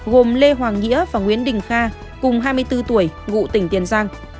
gồm lê hoàng nghĩa và nguyễn đình kha cùng hai mươi bốn tuổi ngụ tỉnh tiền giang